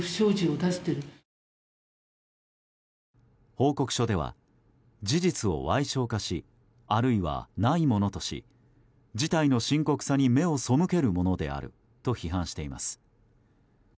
報告書では事実を矮小化しあるいはないものとし事態の深刻さに目を背けるものであると批判しています。